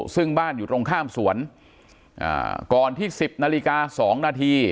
ซึ่งบ้านอยู่ตรงข้ามสวนก่อนที่๑๐๐๒น